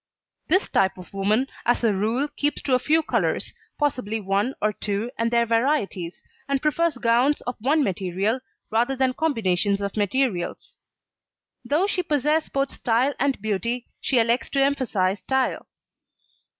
This type of woman as a rule keeps to a few colours, possibly one or two and their varieties, and prefers gowns of one material rather than combinations of materials. Though she possess both style and beauty, she elects to emphasise style.